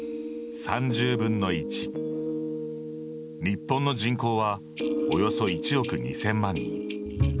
日本の人口はおよそ１億２，０００万人。